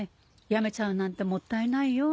やめちゃうなんてもったいないよ。